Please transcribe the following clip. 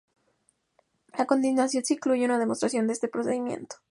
A continuación, se incluye una demostración de este procedimiento.